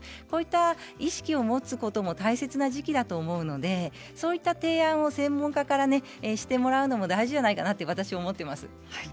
そういった意識を持つことも大事な時期だと思うのでそういった提案も専門家からしてもらうのも大事じゃないかなと私は思っています。